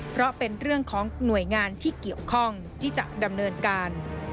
เพราะเป็นเรื่องของหน่วยงานที่เกี่ยวข้องที่จะดำเนินการ